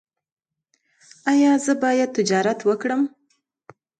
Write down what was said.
ایا زه باید تجارت وکړم؟